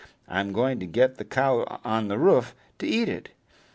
I'm going to get the cow on to the roof to eat it.